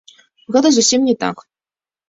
Гэта зусім не так!